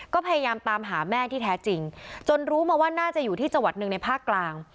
ก็พยายามตามหาแม่ที่แท้จริงจนรู้มาว่าน่าจะอยู่ที่จังหวัดหนึ่งในภาคกลาง